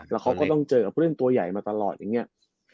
แล้วเขาก็ต้องเจอกับผู้เล่นตัวใหญ่มาตลอดอย่างนี้